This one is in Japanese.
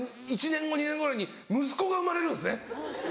１年後２年後ぐらいに息子が生まれるんですね。